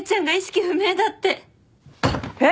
えっ！？